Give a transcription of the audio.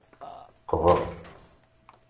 Qbeṛ.